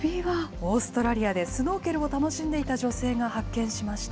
オーストラリアでシュノーケルを楽しんでいた女性が発見しました。